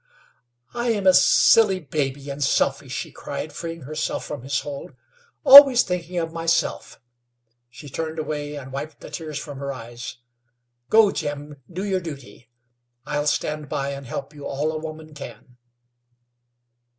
"I am a silly baby, and selfish!" she cried, freeing herself from his hold. "Always thinking of myself." She turned away and wiped the tears from her eyes. "Go, Jim, do you duty; I'll stand by and help you all a woman can."